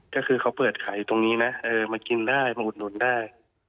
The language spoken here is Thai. ก็คือเขาเปิดขายอยู่ตรงนี้นะมากินได้มาอุดหนุนได้